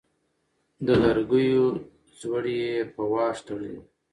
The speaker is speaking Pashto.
د لرګيو ځوړی يې په واښ تړلی دی